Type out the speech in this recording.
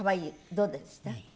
どうでした？